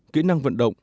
kỹ năng vận động